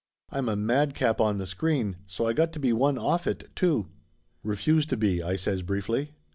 I'm a madcap on the screen, so I got to be one off it too." "Refuse to be," I says briefly.